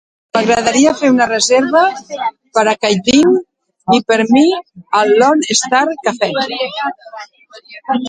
M'agradaria fer una reserva per a Kaitlin i per a mi al Lone Star Cafe